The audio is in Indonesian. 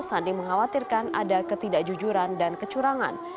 sandi mengkhawatirkan ada ketidakjujuran dan kecurangan